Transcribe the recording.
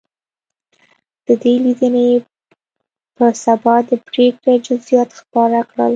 د دې لیدنې په سبا د پرېکړې جزییات خپاره کړل.